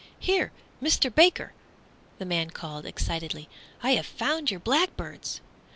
"Here, Mister Baker!" the man called, excitedly, "I have found your blackbirds!"